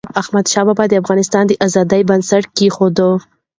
احمدشاه بابا د افغانستان د ازادی بنسټ کېښود.